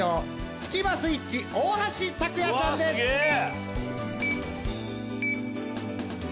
スキマスイッチ・大橋卓弥さんです。え！